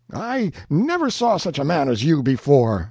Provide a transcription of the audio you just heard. I never saw such a man as you before.